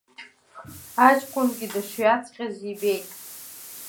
Аҷкәынгьы дышҩаҵҟьаз ибеит.